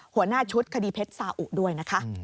หัวหน้าชุดคดีเพชรสาอุด้วยนะคะ